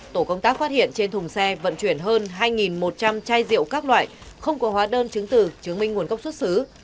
tổ công tác phát hiện trên thùng xe vận chuyển hơn hai một trăm linh chai rượu các loại không có hóa đơn chứng từ chứng minh nguồn gốc xuất xứ